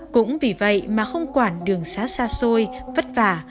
cũng vì vậy mà không quản đường xá xa xôi vất vả